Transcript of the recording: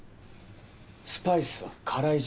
スパイスは辛い順。